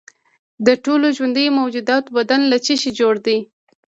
د ټولو ژوندیو موجوداتو بدن له څه شي جوړ دی